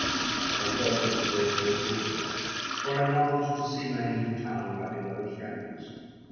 I felt this delay very bitterly; for I longed to see my native town and my beloved friends.